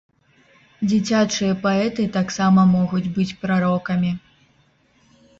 Дзіцячыя паэты таксама могуць быць прарокамі.